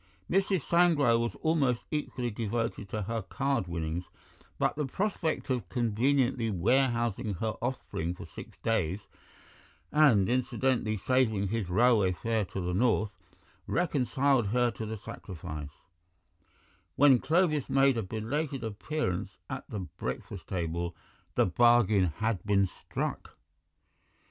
Mrs. Sangrail was almost equally devoted to her card winnings, but the prospect of conveniently warehousing her offspring for six days, and incidentally saving his railway fare to the north, reconciled her to the sacrifice; when Clovis made a belated appearance at the breakfast table the bargain had been struck.